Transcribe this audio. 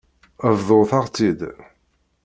Bḍut-aɣ-tt-id.